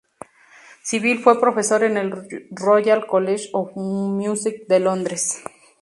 Civil fue profesor en el Royal College of Music de Londres.